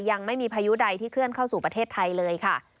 ยังไม่มีพายุใดที่เคลื่อนเข้าสู่ประเทศไทยเลยค่ะ